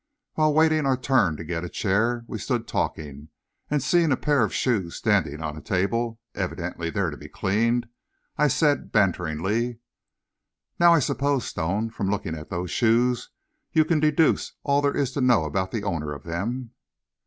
While waiting our turn to get a chair, we stood talking, and, seeing a pair of shoes standing on a table, evidently there to be cleaned, I said banteringly: "Now, I suppose, Stone, from looking at those shoes, you can deduce all there is to know about the owner of them."